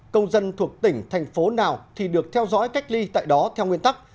công dân thuộc tỉnh thành phố nào thì được theo dõi cách ly tại đó theo nguyên tắc